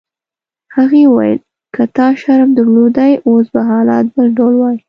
هغې وویل: که تا شرم درلودای اوس به حالات بل ډول وای.